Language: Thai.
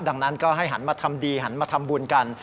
ดังนั้นก็ให้หันมาทำดีหันมาทำบุญกัน